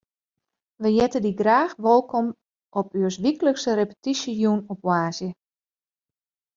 Wy hjitte dy graach wolkom op ús wyklikse repetysjejûn op woansdei.